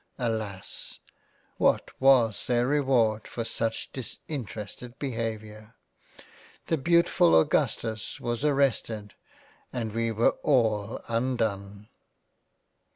— Alas ! what was their Reward for such disinterested Behaviour ! The beautifull Augustus was arrested and we were all undone.